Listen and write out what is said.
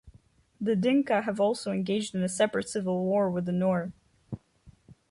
The Dinka have also engaged in a separate civil war with the Nuer.